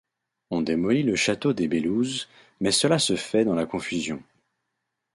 On démolit le château des Belouzes, mais cela se fait dans la confusion.